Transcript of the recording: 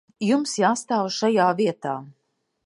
Jums jāstāv šajā vietā.